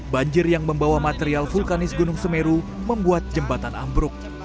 banjir yang membawa material vulkanis gunung semeru membuat jembatan ambruk